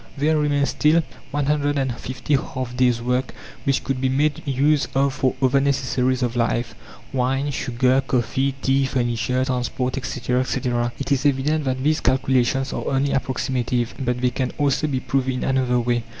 There remain still 150 half days' work which could be made use of for other necessaries of life wine, sugar, coffee, tea, furniture, transport, etc., etc. It is evident that these calculations are only approximative, but they can also be proved in another way.